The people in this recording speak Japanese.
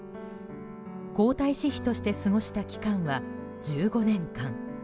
皇太子妃として過ごした期間は１５年間。